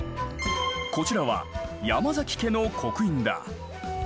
こちらは山崎家の刻印だ。